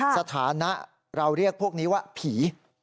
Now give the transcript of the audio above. สถานะเราเรียกพวกนี้ว่าผี